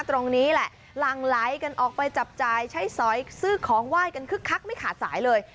ตรงนี้แหละหลังไหลกันออกไปจับจ่ายใช้สอยซื้อของไหว้กันคึกคักไม่ขาดสายเลย